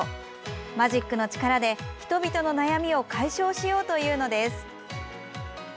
マジックの力で、人々の悩みを解消しようというのです。